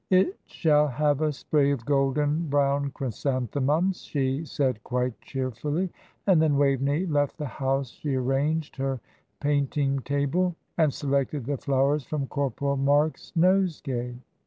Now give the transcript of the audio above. "It shall have a spray of golden brown chrysanthemums," she said, quite cheerfully; and when Waveney left the house she arranged her painting table and selected the flowers from Corporal Mark's nosegay.